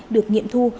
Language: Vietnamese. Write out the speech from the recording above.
được nghiệm thu